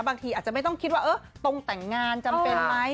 บางทีอาจจะไม่ต้องคิดว่าตรงแต่งงานจำเป็นไหม